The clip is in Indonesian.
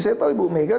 saya tahu ibu megawati